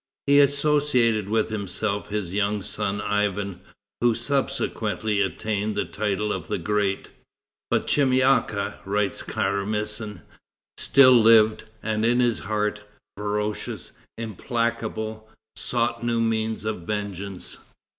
He associated with himself his young son Ivan, who subsequently attained the title of the Great. "But Chemyaka," writes Karamsin, "still lived, and his heart, ferocious, implacable, sought new means of vengeance.